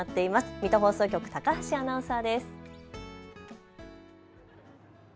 水戸放送局、高橋アナウンサーです。